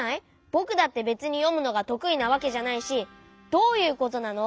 ぼくだってべつによむのがとくいなわけじゃないしどういうことなの？